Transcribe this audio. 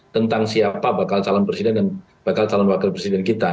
tentang siapa bakal calon presiden dan bakal calon wakil presiden kita